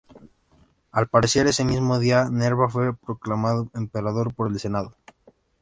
Al parecer, ese mismo día Nerva fue proclamado emperador por el Senado.